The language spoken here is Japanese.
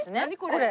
これ。